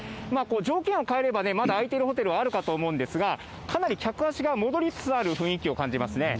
条件を変えれば、まだ空いてるホテルはあるかと思うんですが、かなり客足が戻りつつある雰囲気を感じますね。